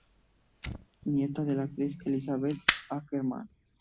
Nieta de la actriz Elisabeth Ackermann.